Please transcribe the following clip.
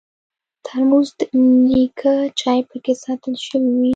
ترموز د نیکه چای پکې ساتل شوی وي.